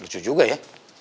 lucu juga ya